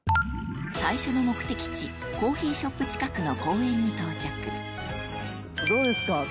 最初の目的地コーヒーショップ近くの公園に到着どうですか？